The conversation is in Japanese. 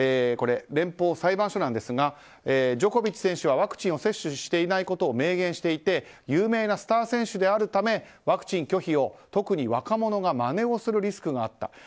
連邦裁判所なんですがジョコビッチ選手はワクチンを接種していないことを明言していて有名なスター選手であるためワクチン拒否を特に若者がまねをするリスクがあった。